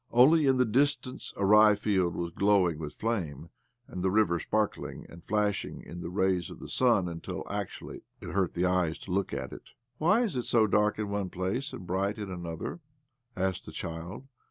Only in the distaлce a rye field' was glowing with flame, and the river sparkling and flashing in the rays of the sun until actually it hurt the eyes to look at it.,. " Why is it so dark in one place and brigiht in another?" asked the child.